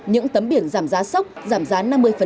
những tấm biển giảm giá sốc giảm giá năm mươi